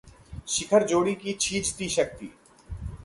शिखर जोड़ी की छीजती शक्ति